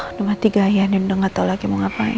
udah mati gaya udah nggak tau lagi mau ngapain